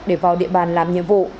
để vào địa bàn làm nhiệm vụ